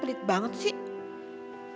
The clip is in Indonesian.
pelit banget sih